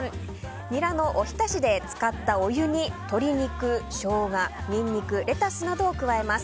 ニラのおひたしで使ったお湯に鶏肉、ショウガ、ニンニクレタスなどを加えます。